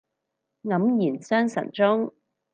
黯然神傷中